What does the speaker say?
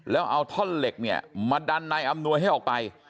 แล้วเอาท่อนเหล็กเนี่ยมาดันนายอำนวยให้ออกไป